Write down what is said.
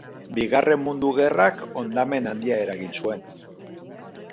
Bigarren Mundu Gerrak hondamen handia eragin zuen.